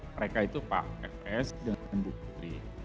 mereka itu pak f s dan bu putri